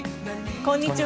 こんにちは。